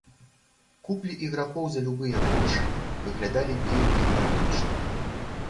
Куплі ігракоў за любыя грошы выглядалі вельмі хаатычна.